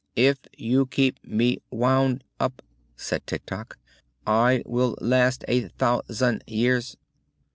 "If you keep me wound up," said Tik Tok, "I will last a thou sand years."